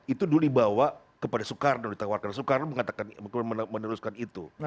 itu dulu dibawa kepada soekarno ditawarkan soekarno meneruskan itu